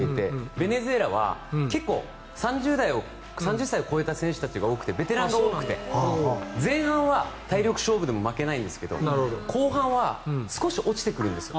ベネズエラは結構３０歳を超えた選手たちが多くてベテランが多くて前半は体力勝負でも負けないんですけど後半は少し落ちてくるんですよ。